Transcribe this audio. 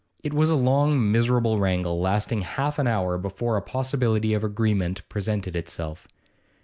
It was a long, miserable wrangle, lasting half an hour, before a possibility of agreement presented itself.